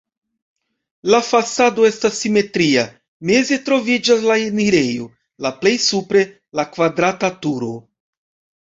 La fasado estas simetria, meze troviĝas la enirejo, la plej supre la kvadrata turo.